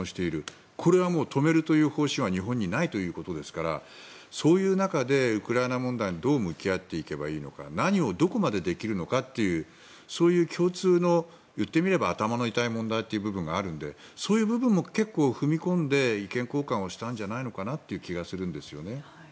もうこれは、止めるという方針は日本にないということですからそういう中でウクライナ問題にどう向き合っていけばいいのか何をどこまでできるのかというそういう共通の言ってみれば頭の痛い問題という部分があるのでそういう部分も結構、踏み込んで意見交換をしたんじゃないのかなという気がするんですよね。